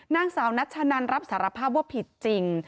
นางสาวนัชนันรับสารภาพว่าผิดจริง